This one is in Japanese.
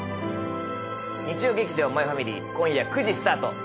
日曜劇場「マイファミリー」今夜９時スタート